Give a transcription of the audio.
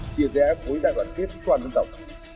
chia rẽ với đại đoàn kết toàn dân tộc